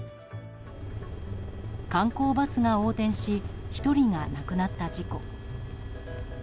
観光バスが横転し１人が亡くなった事故。